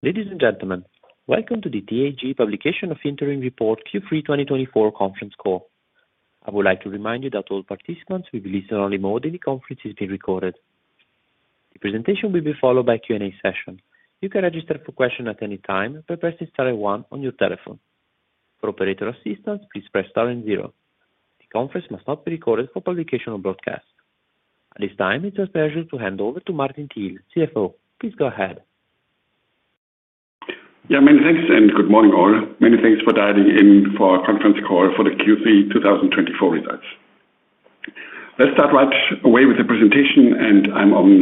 Ladies and gentlemen, welcome to the TAG publication of the Interim Report Q3 2024 conference call. I would like to remind you that all participants will be in listen-only mode and the conference is being recorded. The presentation will be followed by a Q&A session. You can register for questions at any time by pressing star one on your telephone. For operator assistance, please press star zero. The conference must not be recorded for publication or broadcast. At this time, it's my pleasure to hand over to Martin Thiel, CFO. Please go ahead. Yeah, many thanks and good morning all. Many thanks for dialing in for our conference call for the Q3 2024 results. Let's start right away with the presentation, and I'm on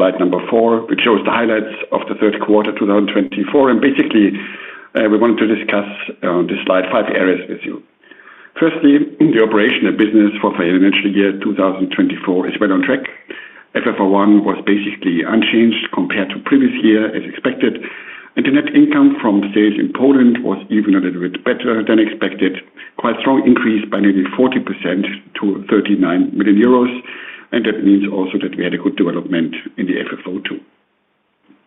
slide number four, which shows the highlights of the third quarter 2024. And basically, we wanted to discuss on this slide five areas with you. Firstly, the operation and business for financial year 2024 is well on track. FFO I was basically unchanged compared to previous year, as expected. Net income from sales in Poland was even a little bit better than expected, quite a strong increase by nearly 40% to 39 million euros. And that means also that we had a good development in the FFO II.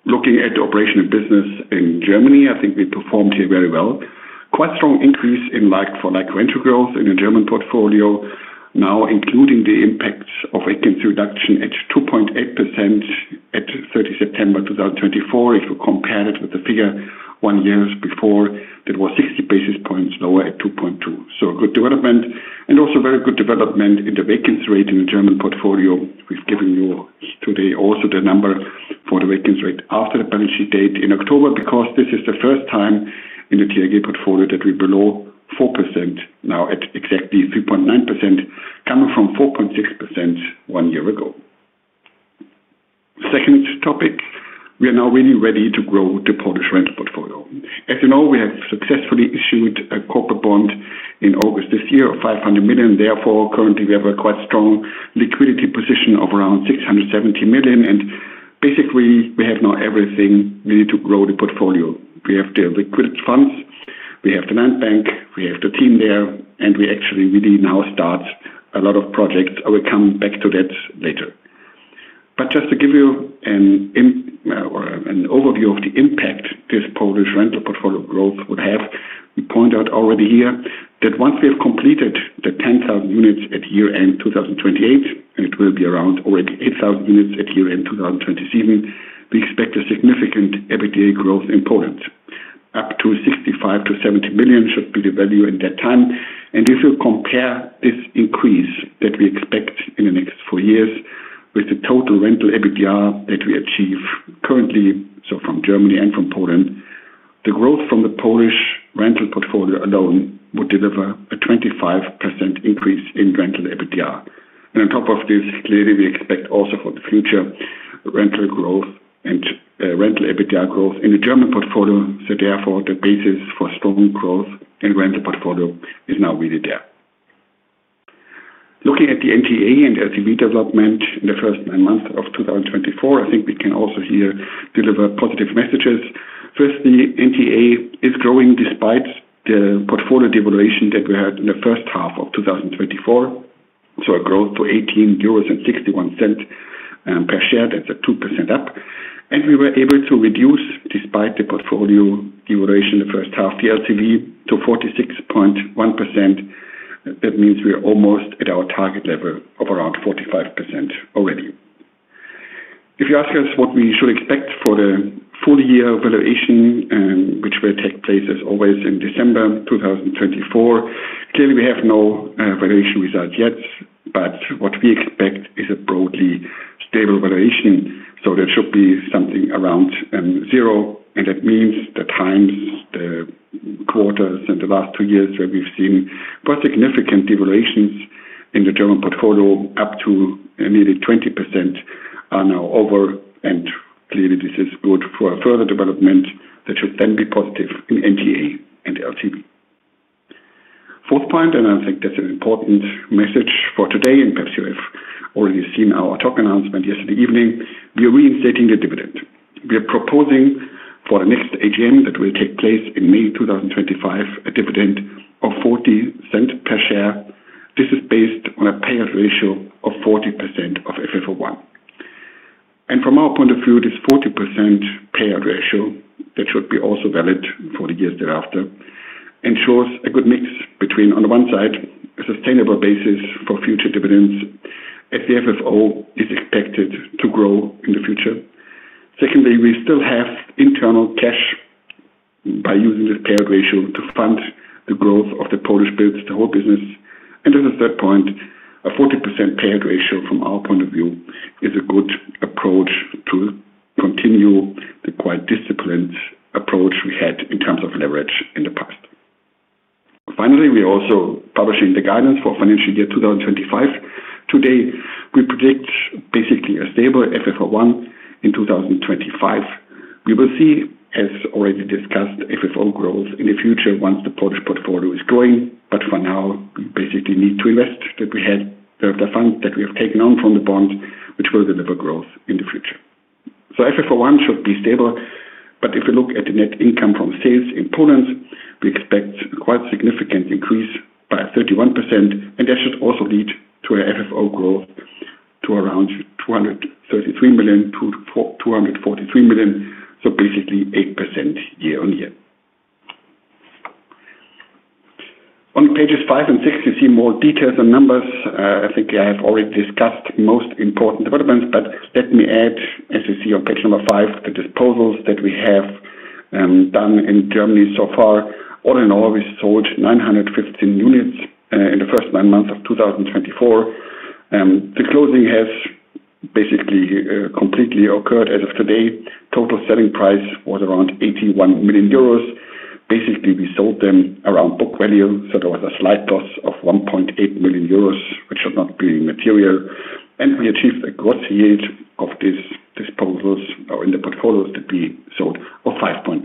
Looking at the operation and business in Germany, I think we performed here very well. Quite a strong increase in like-for-like rental growth in the German portfolio, now including the impact of vacancy reduction at 2.8% at 30 September 2024. If you compare it with the figure one year before, that was 60 basis points lower at 2.2%. So, good development and also very good development in the vacancy rate in the German portfolio. We've given you today also the number for the vacancy rate after the balance sheet date in October because this is the first time in the TAG portfolio that we are below 4%, now at exactly 3.9%, coming from 4.6% one year ago. Second topic, we are now really ready to grow the Polish rental portfolio. As you know, we have successfully issued a corporate bond in August this year of 500 million. Therefore, currently, we have a quite strong liquidity position of around 670 million. And basically, we have now everything we need to grow the portfolio. We have the liquid funds, we have the land bank, we have the team there, and we actually really now start a lot of projects. I will come back to that later. But just to give you an overview of the impact this Polish rental portfolio growth would have, we point out already here that once we have completed the 10,000 units at year-end 2028, and it will be around already 8,000 units at year-end 2027, we expect a significant EBITDA growth in Poland, up to 65 million-70 million should be the value in that time. If you compare this increase that we expect in the next four years with the total rental EBITDA that we achieve currently, so from Germany and from Poland, the growth from the Polish rental portfolio alone would deliver a 25% increase in rental EBITDA. On top of this, clearly, we expect also for the future rental growth and rental EBITDA growth in the German portfolio. Therefore, the basis for strong growth in rental portfolio is now really there. Looking at the NTA and LTV development in the first nine months of 2024, I think we can also here deliver positive messages. Firstly, NTA is growing despite the portfolio devaluation that we had in the first half of 2024, so a growth to 18.61 euros per share. That's a 2% up. We were able to reduce, despite the portfolio devaluation in the first half, the LTV to 46.1%. That means we are almost at our target level of around 45% already. If you ask us what we should expect for the full-year valuation, which will take place, as always, in December 2024, clearly, we have no valuation result yet, but what we expect is a broadly stable valuation. So, that should be something around zero. And that means the times, the quarters, and the last two years where we've seen quite significant devaluations in the German portfolio, up to nearly 20%, are now over. And clearly, this is good for further development that should then be positive in NTA and LTV. Fourth point, and I think that's an important message for today, and perhaps you have already seen our TAG announcement yesterday evening, we are reinstating the dividend. We are proposing for the next AGM that will take place in May 2025, a dividend of 0.40 per share. This is based on a payout ratio of 40% of FFO I. And from our point of view, this 40% payout ratio that should be also valid for the years thereafter ensures a good mix between, on the one side, a sustainable basis for future dividends as the FFO is expected to grow in the future. Secondly, we still have internal cash by using this payout ratio to fund the growth of the Polish build-to-hold business. And as a third point, a 40% payout ratio from our point of view is a good approach to continue the quite disciplined approach we had in terms of leverage in the past. Finally, we are also publishing the guidance for financial year 2025. Today, we predict basically a stable FFO I in 2025. We will see, as already discussed, FFO growth in the future once the Polish portfolio is growing. But for now, we basically need to invest that we have the funds that we have taken on from the bonds, which will deliver growth in the future. So, FFO I should be stable. But if we look at the net income from sales in Poland, we expect quite a significant increase by 31%. And that should also lead to our FFO growth to around 233 million-243 million, so basically 8% year on year. On pages five and six, you see more details and numbers. I think I have already discussed most important developments, but let me add, as you see on page number five, the disposals that we have done in Germany so far. All in all, we sold 915 units in the first nine months of 2024. The closing has basically completely occurred as of today. Total selling price was around 81 million euros. Basically, we sold them around book value, so there was a slight loss of 1.8 million euros, which should not be material. And we achieved a gross yield of these disposals or in the portfolios that we sold of 5.2%.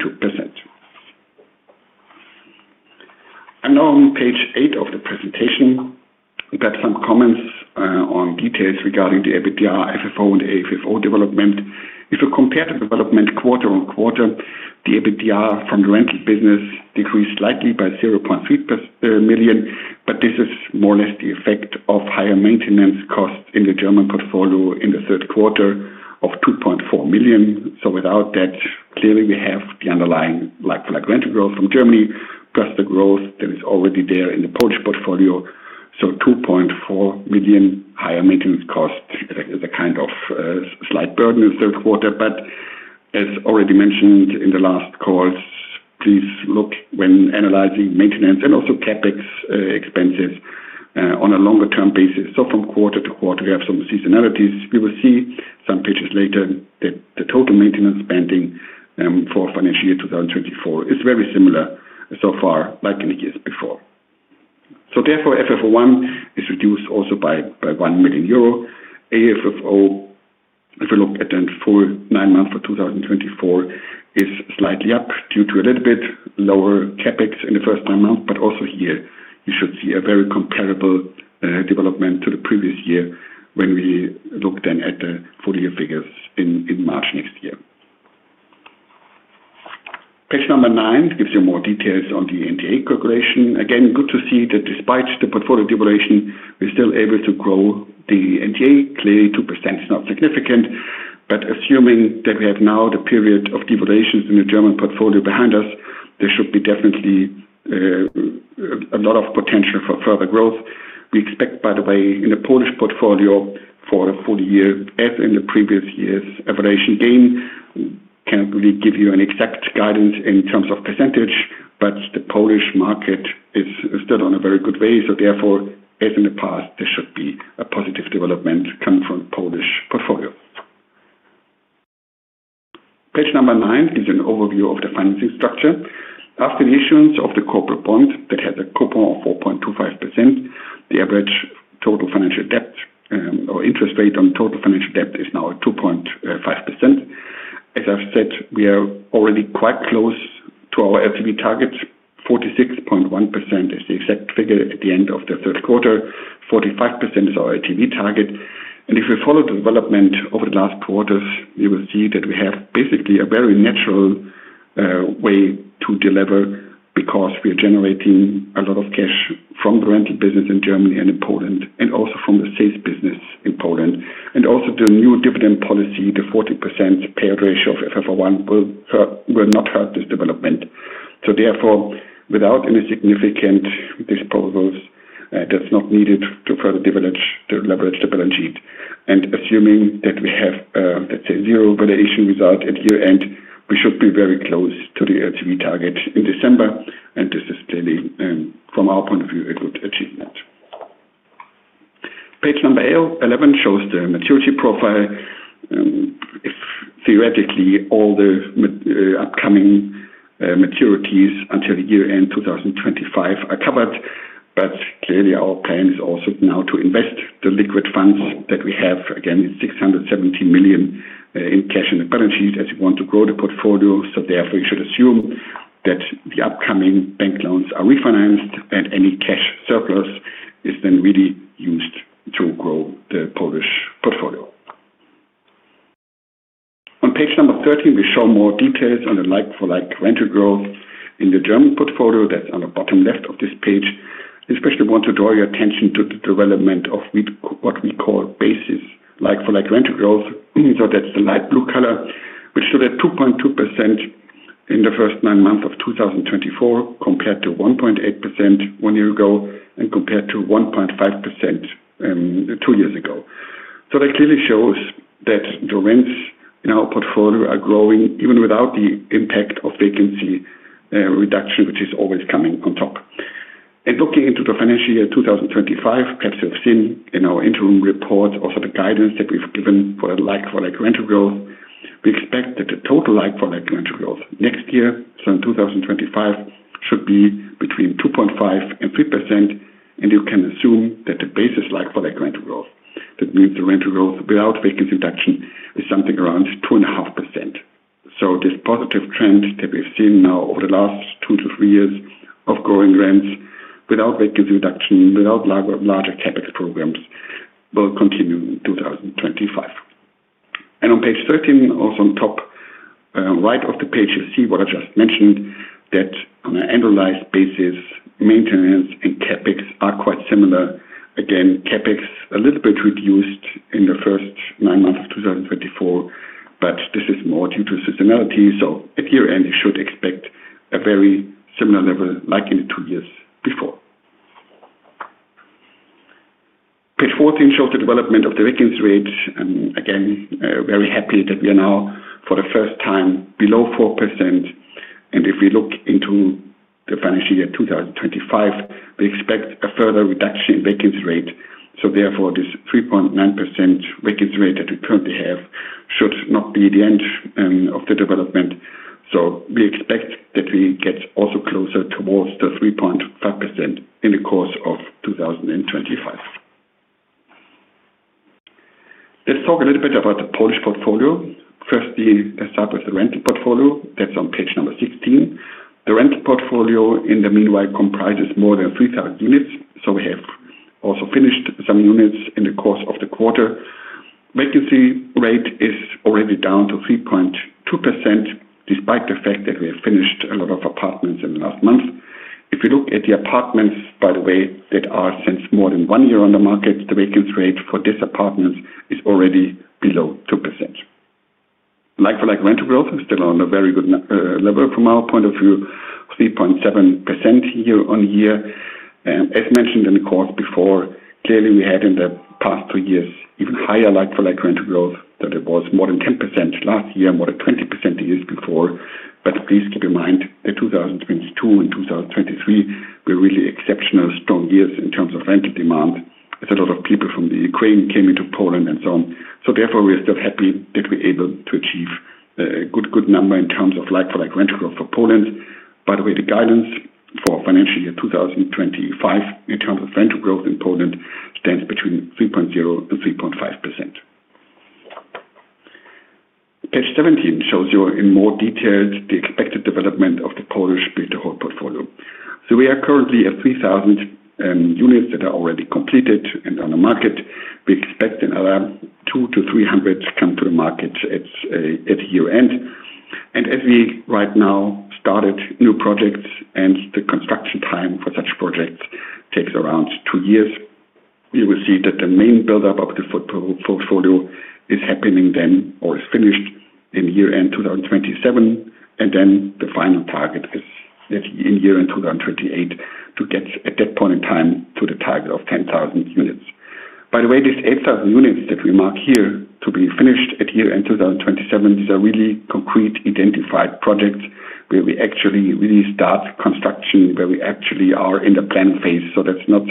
And now on page eight of the presentation, we've had some comments on details regarding the EBITDA, FFO, and the AFFO development. If you compare the development quarter on quarter, the EBITDA from the rental business decreased slightly by 0.3 million, but this is more or less the effect of higher maintenance costs in the German portfolio in the third quarter of 2.4 million. So, without that, clearly, we have the underlying like-for-like rental growth from Germany plus the growth that is already there in the Polish portfolio. So, 2.4 million higher maintenance cost is a kind of slight burden in the third quarter. But as already mentioned in the last calls, please look when analyzing maintenance and also CapEx expenses on a longer-term basis. So, from quarter to quarter, we have some seasonalities. We will see some pages later that the total maintenance spending for financial year 2024 is very similar so far like in the years before. So, therefore, FFO I is reduced also by 1 million euro. AFFO, if we look at the full nine months for 2024, is slightly up due to a little bit lower CapEx in the first nine months. But also here, you should see a very comparable development to the previous year when we look then at the full-year figures in March next year. Page number nine gives you more details on the NTA calculation. Again, good to see that despite the portfolio devaluation, we're still able to grow the NTA, clearly 2% is not significant. But assuming that we have now the period of devaluations in the German portfolio behind us, there should be definitely a lot of potential for further growth. We expect, by the way, in the Polish portfolio for the full year as in the previous years, valuation gain can't really give you an exact guidance in terms of percentage, but the Polish market is still on a very good way. So, therefore, as in the past, there should be a positive development coming from the Polish portfolio. Page number nine gives you an overview of the financing structure. After the issuance of the corporate bond that had a coupon of 4.25%, the average total financial debt or interest rate on total financial debt is now 2.5%. As I've said, we are already quite close to our LTV target. 46.1% is the exact figure at the end of the third quarter. 45% is our LTV target, and if we follow the development over the last quarters, you will see that we have basically a very natural way to delever because we are generating a lot of cash from the rental business in Germany and in Poland, and also from the sales business in Poland, and also the new dividend policy, the 40% payout ratio of FFO I will not hurt this development, so therefore, without any significant disposals, that's not needed to further leverage the balance sheet, and assuming that we have, let's say, zero valuation result at year-end, we should be very close to the LTV target in December, and this is clearly, from our point of view, a good achievement. Page number 11 shows the maturity profile. Theoretically, all the upcoming maturities until year-end 2025 are covered. But clearly, our plan is also now to invest the liquid funds that we have, again, 670 million in cash in the balance sheet as we want to grow the portfolio. So, therefore, you should assume that the upcoming bank loans are refinanced and any cash surplus is then really used to grow the Polish portfolio. On page number 13, we show more details on the like-for-like rental growth in the German portfolio. That's on the bottom left of this page. I especially want to draw your attention to the development of what we call basis like-for-like rental growth. So, that's the light blue color, which stood at 2.2% in the first nine months of 2024 compared to 1.8% one year ago and compared to 1.5% two years ago. That clearly shows that the rents in our portfolio are growing even without the impact of vacancy reduction, which is always coming on top. Looking into the financial year 2025, perhaps you have seen in our interim reports also the guidance that we've given for the like-for-like rental growth. We expect that the total like-for-like rental growth next year, so in 2025, should be between 2.5%-3%. You can assume that the basis like-for-like rental growth, that means the rental growth without vacancy reduction, is something around 2.5%. This positive trend that we've seen now over the last two to three years of growing rents without vacancy reduction, without larger CapEx programs, will continue in 2025. On page 13, also on top right of the page, you see what I just mentioned, that on an annualized basis, maintenance and CapEx are quite similar. Again, CapEx a little bit reduced in the first nine months of 2024, but this is more due to seasonality. So, at year-end, you should expect a very similar level like in the two years before. Page 14 shows the development of the vacancy rate. Again, very happy that we are now for the first time below 4%. And if we look into the financial year 2025, we expect a further reduction in vacancy rate. So, therefore, this 3.9% vacancy rate that we currently have should not be the end of the development. So, we expect that we get also closer towards the 3.5% in the course of 2025. Let's talk a little bit about the Polish portfolio. First, we start with the rental portfolio. That's on page number 16. The rental portfolio, in the meanwhile, comprises more than 3,000 units. We have also finished some units in the course of the quarter. Vacancy rate is already down to 3.2% despite the fact that we have finished a lot of apartments in the last month. If you look at the apartments, by the way, that are since more than one year on the market, the vacancy rate for these apartments is already below 2%. Like-for-like rental growth is still on a very good level from our point of view, 3.7% year on year. As mentioned in the course before, clearly, we had in the past two years even higher like-for-like rental growth. There was more than 10% last year, more than 20% the years before. But please keep in mind that 2022 and 2023 were really exceptional strong years in terms of rental demand as a lot of people from the Ukraine came into Poland and so on. Therefore, we are still happy that we're able to achieve a good, good number in terms of like-for-like rental growth for Poland. By the way, the guidance for financial year 2025 in terms of rental growth in Poland stands between 3.0% and 3.5%. Page 17 shows you in more detail the expected development of the Polish build-to-hold portfolio. We are currently at 3,000 units that are already completed and on the market. We expect another 200 to 300 to come to the market at year-end. As we right now started new projects, and the construction time for such projects takes around two years, you will see that the main build-up of the portfolio is happening then or is finished in year-end 2027. The final target is in year-end 2028 to get at that point in time to the target of 10,000 units. By the way, these 8,000 units that we mark here to be finished at year-end 2027, these are really concrete identified projects where we actually really start construction, where we actually are in the planning phase. So, that's not,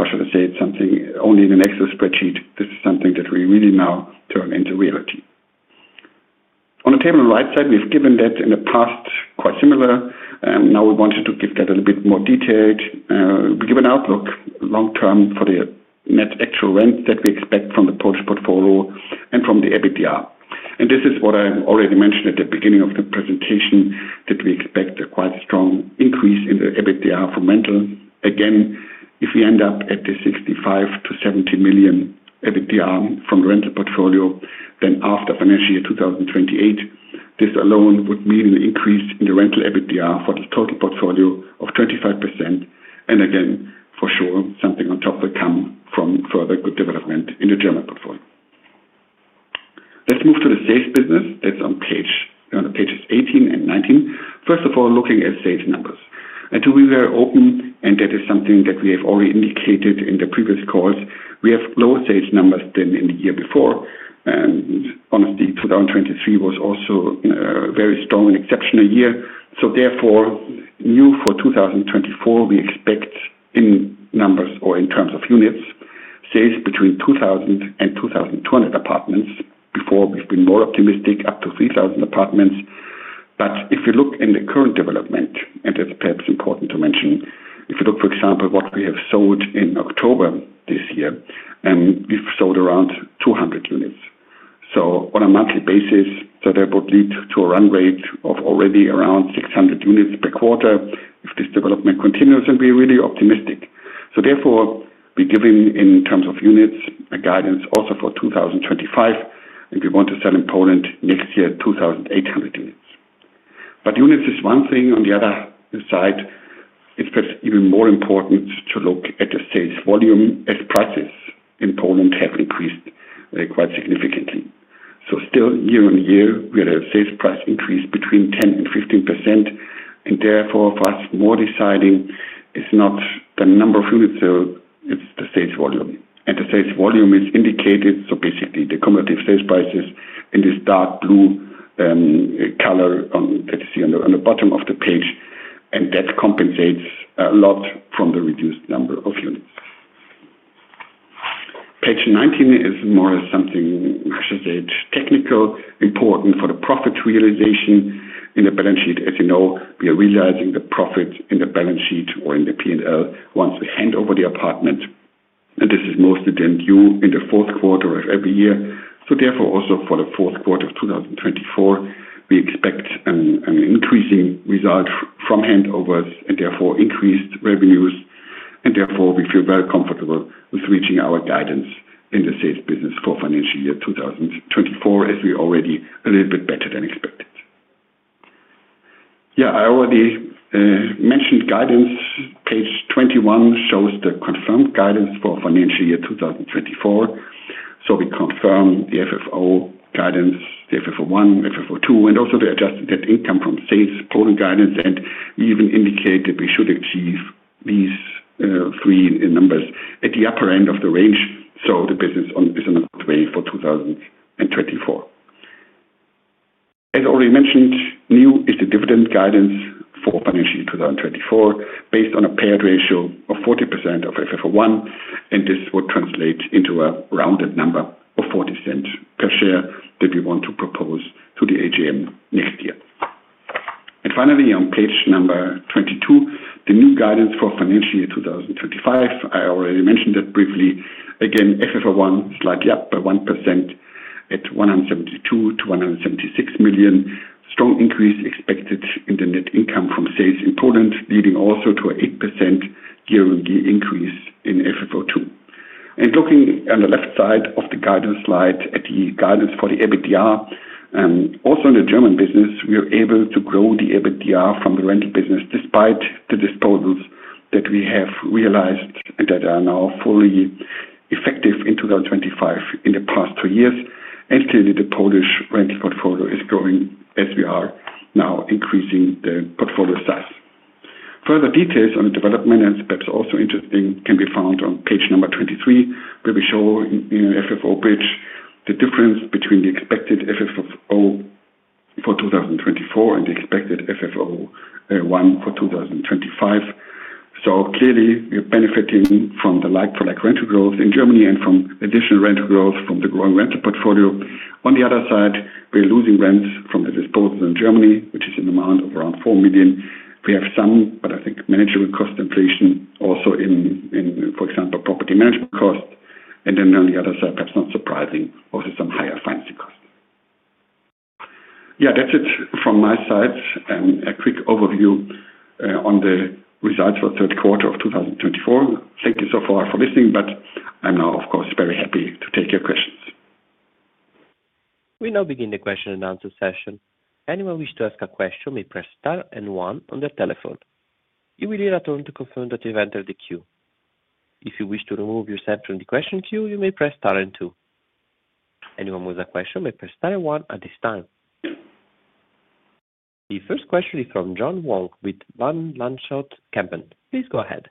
how should I say it, something only in an Excel spreadsheet. This is something that we really now turn into reality. On the table on the right side, we've given that in the past quite similar. Now we wanted to give that a little bit more detailed. We give an outlook long-term for the net actual rent that we expect from the Polish portfolio and from the EBITDA, and this is what I already mentioned at the beginning of the presentation, that we expect a quite strong increase in the EBITDA from rental. Again, if we end up at 65 million-70 million EBITDA from the rental portfolio, then after financial year 2028, this alone would mean an increase in the rental EBITDA for the total portfolio of 25%. And again, for sure, something on top will come from further good development in the German portfolio. Let's move to the sales business. That's on page 18 and 19. First of all, looking at sales numbers. And to be very open, and that is something that we have already indicated in the previous calls, we have lower sales numbers than in the year before. And honestly, 2023 was also a very strong and exceptional year. So, therefore, new for 2024, we expect in numbers or in terms of units, sales between 2,000 and 2,200 apartments. Before, we've been more optimistic, up to 3,000 apartments. But if you look in the current development, and that's perhaps important to mention, if you look, for example, at what we have sold in October this year, we've sold around 200 units. So, on a monthly basis, so that would lead to a run rate of already around 600 units per quarter if this development continues, and we're really optimistic. So, therefore, we're giving in terms of units a guidance also for 2025, and we want to sell in Poland next year 2,800 units. But units is one thing. On the other side, it's perhaps even more important to look at the sales volume as prices in Poland have increased quite significantly. So, still year-on-year, we had a sales price increase between 10%-15%. And therefore, for us, more deciding is not the number of units, though it's the sales volume. The sales volume is indicated, so basically the cumulative sales prices in this dark blue color on the bottom of the page. That compensates a lot from the reduced number of units. Page 19 is more something, how should I say it, technical, important for the profit realization in the balance sheet. As you know, we are realizing the profit in the balance sheet or in the P&L once we hand over the apartment. This is mostly then due in the fourth quarter of every year. Therefore, also for the fourth quarter of 2024, we expect an increasing result from handovers and therefore increased revenues. Therefore, we feel very comfortable with reaching our guidance in the sales business for financial year 2024, as we already a little bit better than expected. Yeah, I already mentioned guidance. Page 21 shows the confirmed guidance for financial year 2024. So, we confirm the FFO guidance, the FFO I, FFO II, and also the adjusted net income from sales Poland guidance. And we even indicate that we should achieve these three numbers at the upper end of the range. So, the business is on a good way for 2024. As already mentioned, new is the dividend guidance for financial year 2024 based on a payout ratio of 40% of FFO I. And this would translate into a rounded number of 0.40 per share that we want to propose to the AGM next year. And finally, on page number 22, the new guidance for financial year 2025. I already mentioned that briefly. Again, FFO I slightly up by 1% at 172 million-176 million. Strong increase expected in the net income from sales in Poland, leading also to an 8% year-on-year increase in FFO II. Looking on the left side of the guidance slide at the guidance for the EBITDA, also in the German business, we are able to grow the EBITDA from the rental business despite the disposals that we have realized and that are now fully effective in 2025 in the past two years. Clearly, the Polish rental portfolio is growing as we are now increasing the portfolio size. Further details on the development, and it's perhaps also interesting, can be found on page number 23, where we show in an FFO bridge the difference between the expected FFO for 2024 and the expected FFO I for 2025. Clearly, we are benefiting from the like-for-like rental growth in Germany and from additional rental growth from the growing rental portfolio. On the other side, we are losing rents from the disposals in Germany, which is an amount of around 4 million. We have some, but I think managerial cost inflation also in, for example, property management costs, and then on the other side, perhaps not surprising, also some higher financing costs. Yeah, that's it from my side. A quick overview on the results for the third quarter of 2024. Thank you so far for listening, but I'm now, of course, very happy to take your questions. We now begin the question and answer session. Anyone wishes to ask a question may press star and one on their telephone. You will hear a tone to confirm that you've entered the queue. If you wish to remove yourself from the question queue, you may press star and two. Anyone with a question may press star and one at this time. The first question is from John Vuong with Van Lanschot Kempen. Please go ahead.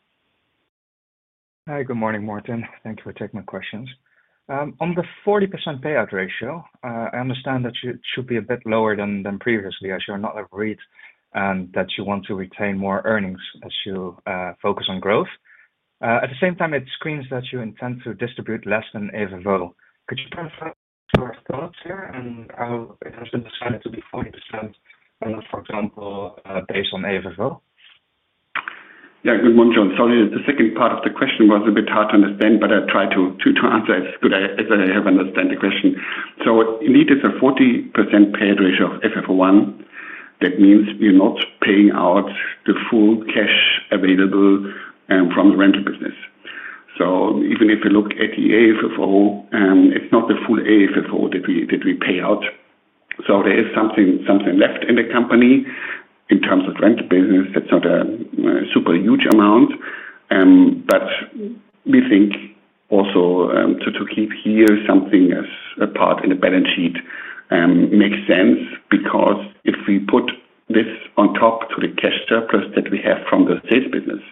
Hi, good morning, Martin. Thank you for taking my questions. On the 40% payout ratio, I understand that it should be a bit lower than previously as you're not overreached and that you want to retain more earnings as you focus on growth. At the same time, it seems that you intend to distribute less than AFFO. Could you share your thoughts here and how it has been decided to be 40%, for example, based on AFFO? Yeah, good morning, John. Sorry, the second part of the question was a bit hard to understand, but I'll try to answer as good as I have understood the question. So, indeed, it's a 40% payout ratio of FFO I. That means you're not paying out the full cash available from the rental business. So, even if you look at the AFFO, it's not the full AFFO that we pay out. There is something left in the company in terms of rental business. That's not a super huge amount. We think also to keep here something as a part in the balance sheet makes sense because if we put this on top to the cash surplus that we have from the sales business,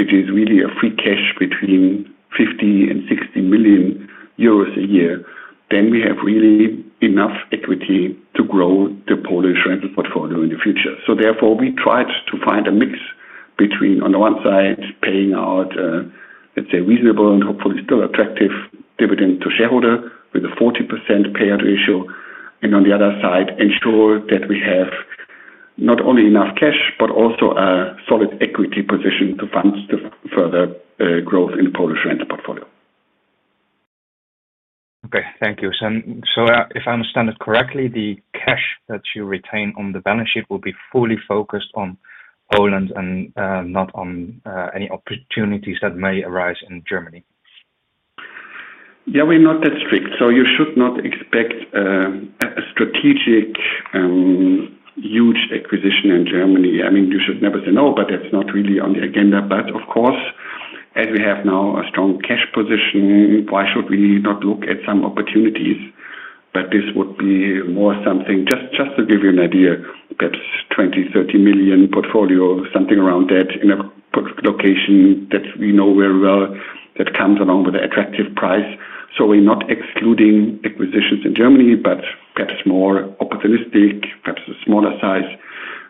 which is really a free cash between 50 million and 60 million euros a year, then we have really enough equity to grow the Polish rental portfolio in the future. Therefore, we tried to find a mix between on the one side paying out, let's say, reasonable and hopefully still attractive dividend to shareholder with a 40% payout ratio, and on the other side, ensure that we have not only enough cash, but also a solid equity position to fund further growth in the Polish rental portfolio. Okay, thank you. So, if I understand it correctly, the cash that you retain on the balance sheet will be fully focused on Poland and not on any opportunities that may arise in Germany? Yeah, we're not that strict. So, you should not expect a strategic huge acquisition in Germany. I mean, you should never say no, but that's not really on the agenda. But of course, as we have now a strong cash position, why should we not look at some opportunities? But this would be more something, just to give you an idea, perhaps 20 million-30 million portfolio, something around that in a location that we know very well that comes along with an attractive price. So, we're not excluding acquisitions in Germany, but perhaps more opportunistic, perhaps a smaller size.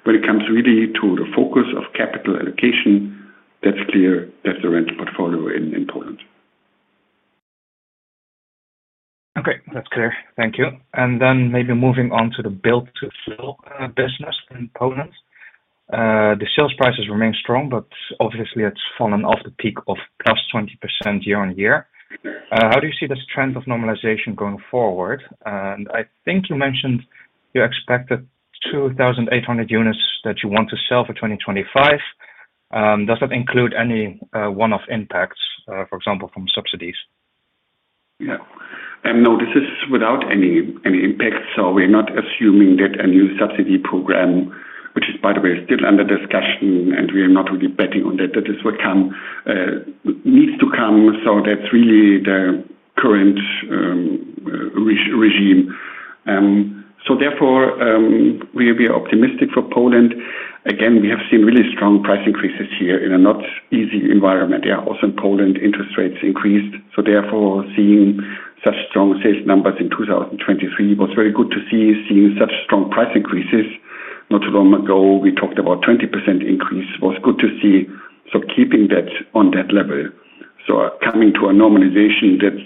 When it comes really to the focus of capital allocation, that's clear, that's the rental portfolio in Poland. Okay, that's clear. Thank you. And then maybe moving on to the build-to-sell business in Poland. The sales prices remain strong, but obviously it's fallen off the peak of +20% year-on-year. How do you see this trend of normalization going forward? And I think you mentioned you expected 2,800 units that you want to sell for 2025. Does that include any one-off impacts, for example, from subsidies? Yeah. No, this is without any impact. So, we're not assuming that a new subsidy program, which is, by the way, still under discussion, and we are not really betting on that, that is what needs to come. So, that's really the current regime. So, therefore, we are optimistic for Poland. Again, we have seen really strong price increases here in a not easy environment. Yeah, also in Poland, interest rates increased. So, therefore, seeing such strong sales numbers in 2023 was very good to see. Seeing such strong price increases not too long ago, we talked about a 20% increase, was good to see. So, keeping that on that level. So, coming to a normalization that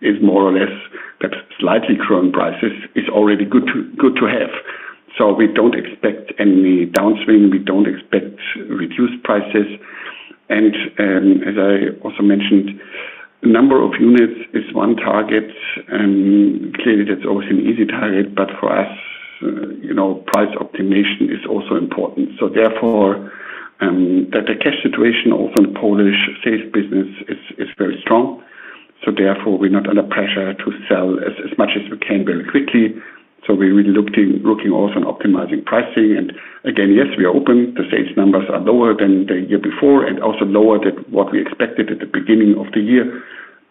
is more or less perhaps slightly growing prices is already good to have. So, we don't expect any downswing. We don't expect reduced prices. And as I also mentioned, the number of units is one target. Clearly, that's always an easy target, but for us, price optimization is also important. So, therefore, the cash situation also in the Polish sales business is very strong. So, therefore, we're not under pressure to sell as much as we can very quickly. So, we're really looking also on optimizing pricing. And again, yes, we are open. The sales numbers are lower than the year before and also lower than what we expected at the beginning of the year,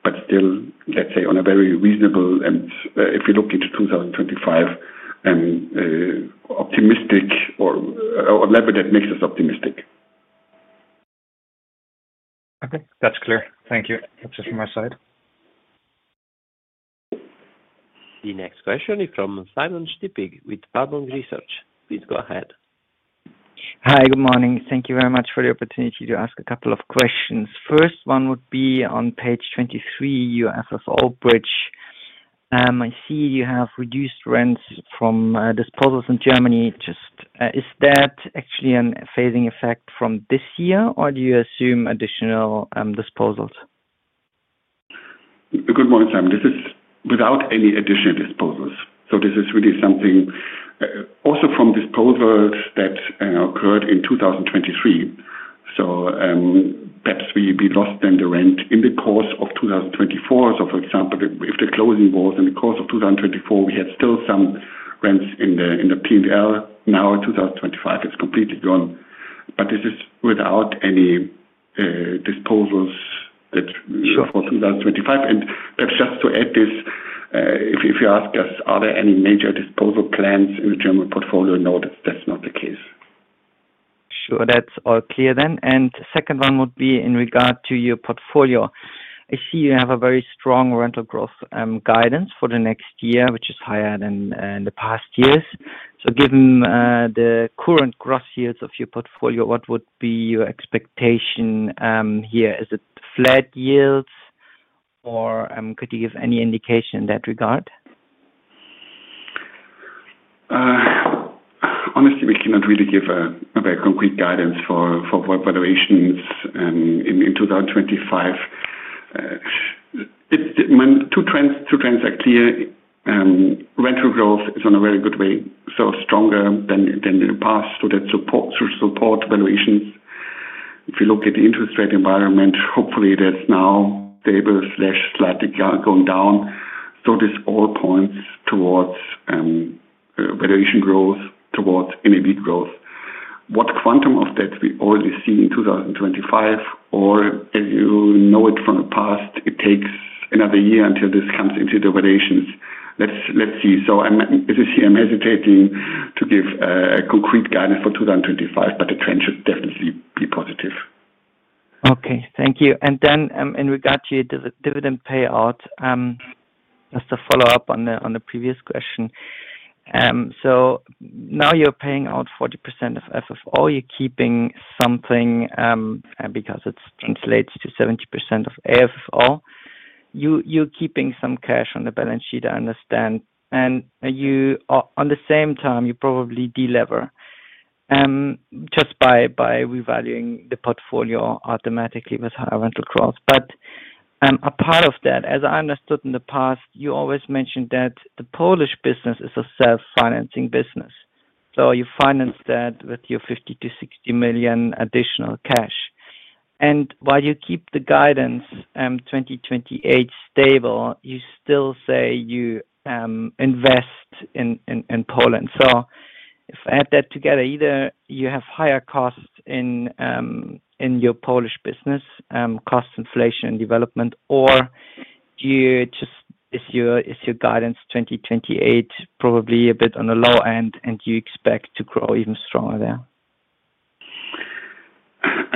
but still, let's say, on a very reasonable, and if we look into 2025, optimistic level that makes us optimistic. Okay, that's clear. Thank you. That's it from my side. The next question is from Simon Stippig with Warburg Research. Please go ahead. Hi, good morning. Thank you very much for the opportunity to ask a couple of questions. First one would be on page 23, your FFO figure. I see you have reduced rents from disposals in Germany. Just, is that actually a fading effect from this year, or do you assume additional disposals? Good morning, Simon. This is without any additional disposals. So, this is really something also from disposals that occurred in 2023. Perhaps we lost then the rent in the course of 2024. For example, if the closing was in the course of 2024, we had still some rents in the P&L. Now, 2025 is completely gone. This is without any disposals for 2025. Perhaps just to add this, if you ask us, are there any major disposal plans in the German portfolio? No, that's not the case. Sure, that's all clear then. The second one would be in regard to your portfolio. I see you have a very strong rental growth guidance for the next year, which is higher than in the past years. Given the current gross yields of your portfolio, what would be your expectation here? Is it flat yields, or could you give any indication in that regard? Honestly, we cannot really give a very concrete guidance for valuations in 2025. Two trends are clear. Rental growth is on a very good way, so stronger than in the past through support valuations. If you look at the interest rate environment, hopefully that's now stable, slightly going down. So, this all points towards valuation growth, towards NAV growth. What quantum of that we already see in 2025, or as you know it from the past, it takes another year until this comes into the valuations. Let's see. So, as you see, I'm hesitating to give a concrete guidance for 2025, but the trend should definitely be positive. Okay, thank you. And then in regard to your dividend payout, just to follow up on the previous question. So, now you're paying out 40% of FFO, you're keeping something because it translates to 70% of AFFO. You're keeping some cash on the balance sheet, I understand. And on the same time, you probably delever just by revaluing the portfolio automatically with higher rental growth. But a part of that, as I understood in the past, you always mentioned that the Polish business is a self-financing business. So, you finance that with your 50 million-60 million additional cash. And while you keep the guidance 2028 stable, you still say you invest in Poland. So, if I add that together, either you have higher costs in your Polish business, cost inflation and development, or is your guidance 2028 probably a bit on the low end and you expect to grow even stronger there?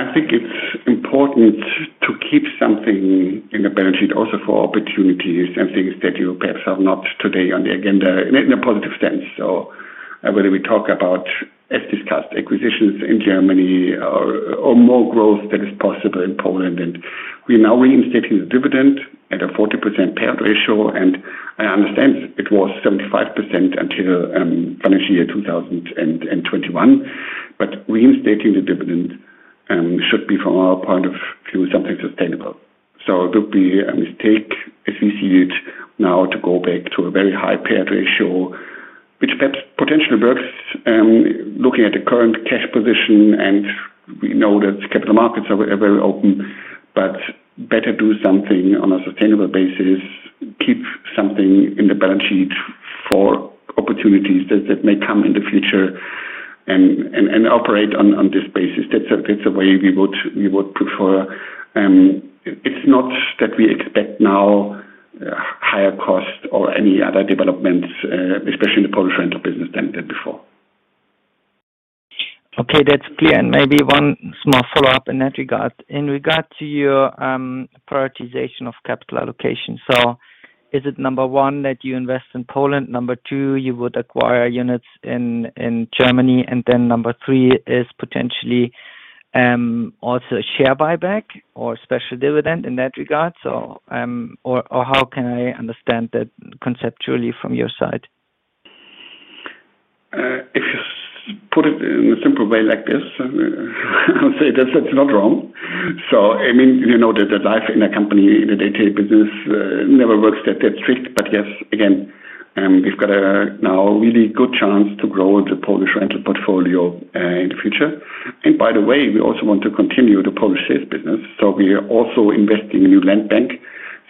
I think it's important to keep something in the balance sheet also for opportunities and things that you perhaps have not today on the agenda in a positive sense. So, whether we talk about, as discussed, acquisitions in Germany or more growth that is possible in Poland, and we're now reinstating the dividend at a 40% payout ratio. And I understand it was 75% until financial year 2021, but reinstating the dividend should be, from our point of view, something sustainable. So, it would be a mistake if we see it now to go back to a very high payout ratio, which perhaps potentially works looking at the current cash position. And we know that capital markets are very open, but better do something on a sustainable basis, keep something in the balance sheet for opportunities that may come in the future and operate on this basis. That's the way we would prefer. It's not that we expect now higher cost or any other developments, especially in the Polish rental business, than before. Okay, that's clear. And maybe one small follow-up in that regard. In regard to your prioritization of capital allocation, so is it number one that you invest in Poland, number two you would acquire units in Germany, and then number three is potentially also share buyback or special dividend in that regard? Or how can I understand that conceptually from your side? If you put it in a simple way like this, I would say that's not wrong. So, I mean, you know that life in a company in the day-to-day business never works that strict. But yes, again, we've got now a really good chance to grow the Polish rental portfolio in the future. And by the way, we also want to continue the Polish sales business. So, we are also investing in new land bank.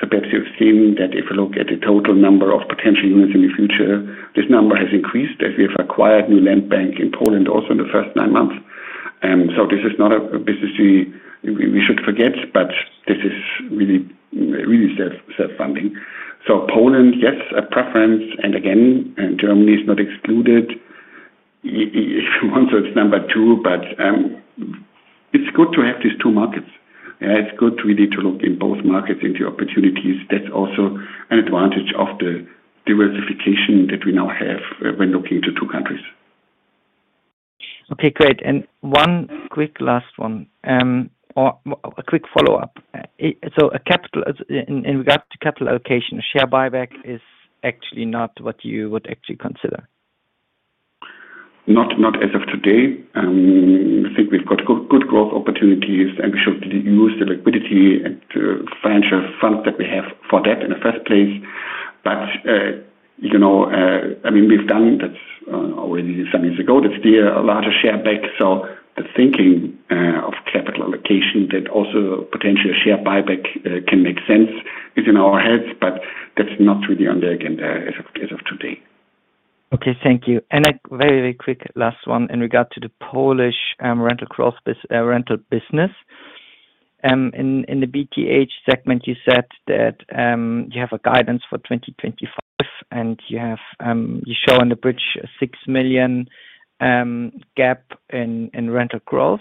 Perhaps you've seen that if you look at the total number of potential units in the future, this number has increased as we've acquired a new land bank in Poland also in the first nine months. This is not a business we should forget, but this is really self-funding. Poland, yes, a preference. And again, Germany is not excluded. If you want, so it's number two, but it's good to have these two markets. It's good really to look in both markets into opportunities. That's also an advantage of the diversification that we now have when looking to two countries. Okay, great. One quick last one or a quick follow-up. In regard to capital allocation, share buyback is actually not what you would actually consider? Not as of today. I think we've got good growth opportunities, and we should use the liquidity and financial funds that we have for that in the first place. But I mean, we've done that already some years ago. That's the larger share buyback. So, the thinking of capital allocation that also potentially share buyback can make sense is in our heads, but that's not really on the agenda as of today. Okay, thank you. And a very, very quick last one in regard to the Polish rental business. In the BTH segment, you said that you have a guidance for 2025, and you show on the bridge a six million gap in rental growth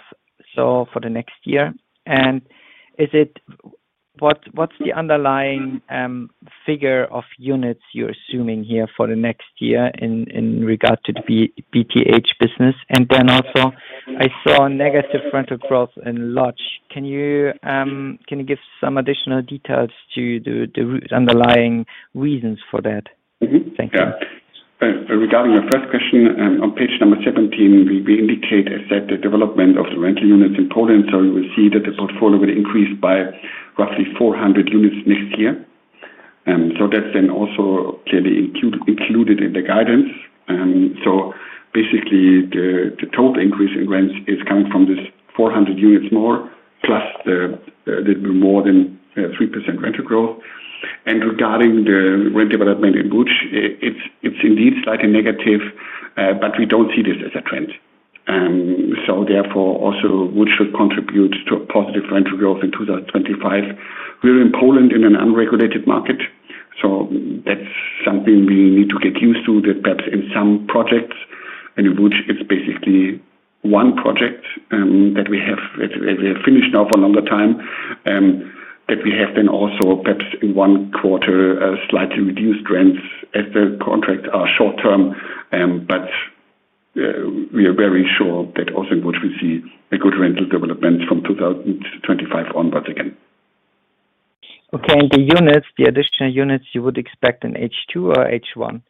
for the next year. And what's the underlying figure of units you're assuming here for the next year in regard to the BTH business? And then also, I saw negative rental growth in Łódź. Can you give some additional details to the underlying reasons for that? Thank you. Regarding your first question, on page number 17, we indicate a set development of the rental units in Poland. So, you will see that the portfolio will increase by roughly 400 units next year. That's then also clearly included in the guidance. Basically, the total increase in rents is coming from this 400 units more plus a little bit more than 3% rental growth. Regarding the rent development in Łódź, it's indeed slightly negative, but we don't see this as a trend. Therefore, also Łódź should contribute to a positive rental growth in 2025. We're in Poland in an unregulated market. So, that's something we need to get used to, that perhaps in some projects, and in Łódź, it's basically one project that we have finished now for a longer time, that we have then also perhaps in one quarter slightly reduced rents as the contracts are short term. But we are very sure that also in Łódź we see a good rental development from 2025 onwards again. Okay, and the units, the additional units, you would expect in H2 or H1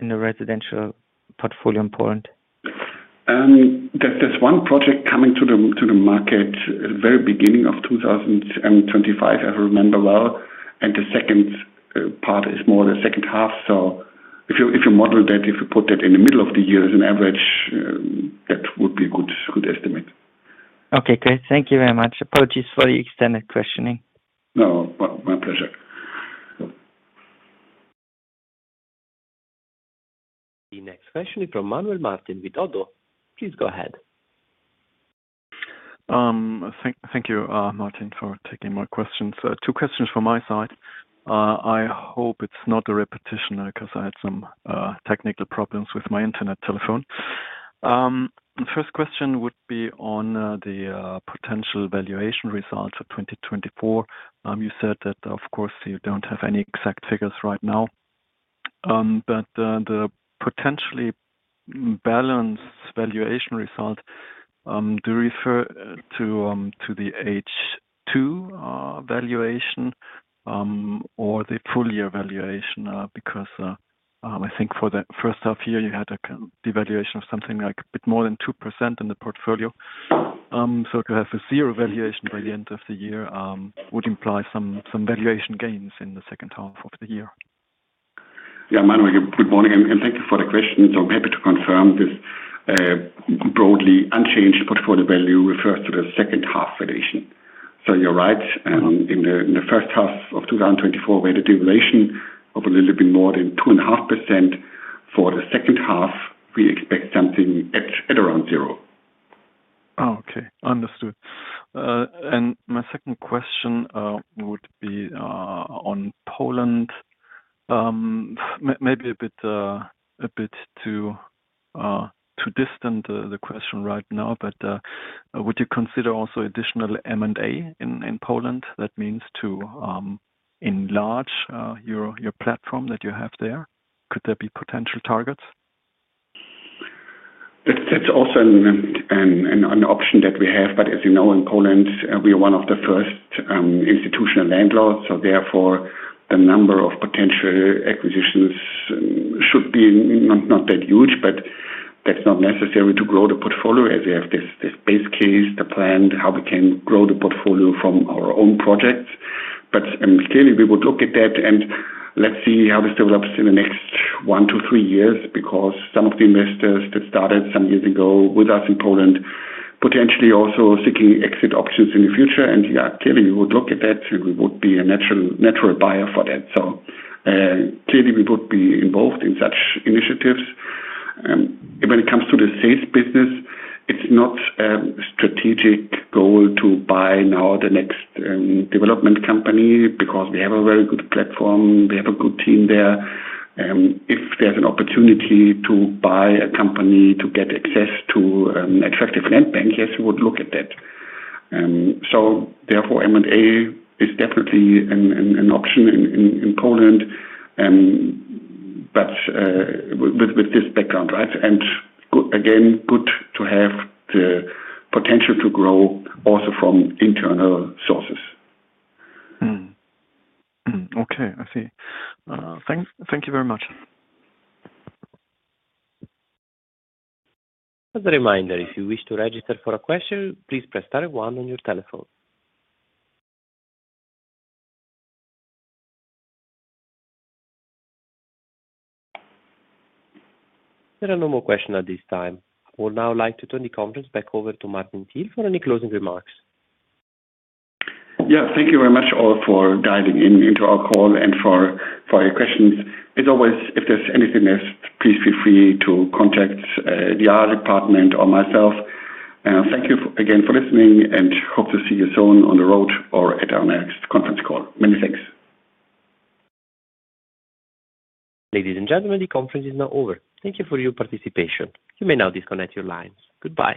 in the residential portfolio in Poland? There's one project coming to the market at the very beginning of 2025, as I remember well. And the second part is more the second half. So, if you model that, if you put that in the middle of the year as an average, that would be a good estimate. Okay, great. Thank you very much. Apologies for the extended questioning. No, my pleasure. The next question is from Manuel Martin with Oddo. Please go ahead. Thank you, Martin, for taking my questions. Two questions from my side. I hope it's not a repetition because I had some technical problems with my internet telephone. The first question would be on the potential valuation results of 2024. You said that, of course, you don't have any exact figures right now. But the potentially balanced valuation results, do you refer to the H2 valuation or the full year valuation? Because I think for the first half year, you had a devaluation of something like a bit more than 2% in the portfolio. So, to have a zero valuation by the end of the year would imply some valuation gains in the second half of the year. Yeah, Manuel, good morning. And thank you for the question. I'm happy to confirm this broadly unchanged portfolio value refers to the second half valuation. You're right. In the first half of 2024, we had a devaluation of a little bit more than 2.5%. For the second half, we expect something at around zero. Okay, understood. And my second question would be on Poland, maybe a bit too distant, the question right now, but would you consider also additional M&A in Poland? That means to enlarge your platform that you have there. Could there be potential targets? That's also an option that we have. But as you know, in Poland, we are one of the first institutional landlords. Therefore, the number of potential acquisitions should be not that huge, but that's not necessary to grow the portfolio as we have this base case, the plan, how we can grow the portfolio from our own projects. But clearly, we would look at that and let's see how this develops in the next one to three years because some of the investors that started some years ago with us in Poland potentially also seeking exit options in the future. And yeah, clearly, we would look at that and we would be a natural buyer for that. So, clearly, we would look at that and we would be involved in such initiatives. When it comes to the sales business, it's not a strategic goal to buy now the next development company because we have a very good platform, we have a good team there. If there's an opportunity to buy a company to get access to an attractive land bank, yes, we would look at that. So, therefore, M&A is definitely an option in Poland, but with this background, right? And again, good to have the potential to grow also from internal sources. Okay, I see. Thank you very much. As a reminder, if you wish to register for a question, please press star one on your telephone. There are no more questions at this time. I would now like to turn the conference back over to Martin Thiel for any closing remarks. Yeah, thank you very much all for joining our call and for your questions. As always, if there's anything else, please feel free to contact the IR department or myself. Thank you again for listening and hope to see you soon on the road or at our next conference call. Many thanks. Ladies and gentlemen, the conference is now over. Thank you for your participation. You may now disconnect your lines. Goodbye.